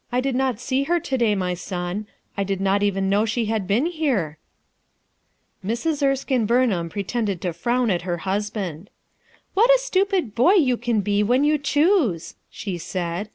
"I did not see her to day, my son. I did not even know she had been here." Mrs, Erskine Burnliam pretended to frown at her husband. "What a stupid boy you can be when you choose!" she said.